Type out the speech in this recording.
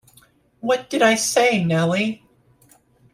What did I say, Nelly?